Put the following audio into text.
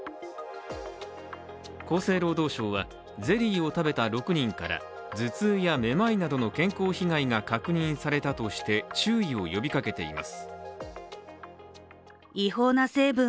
厚生労働省は、ゼリーを食べた６人から頭痛やめまいなどの健康被害が確認されたとして注意を呼びかけています。